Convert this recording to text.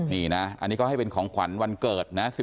นี่นะอันนี้ก็ให้เป็นของขวัญวันเกิดนะ